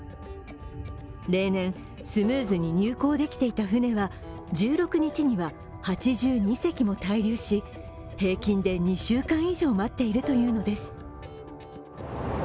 例年、スムーズに入港できていた船は１６日には８２隻も滞留し平均で２週間以上待っているというのです。